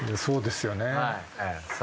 そうですよねぇ。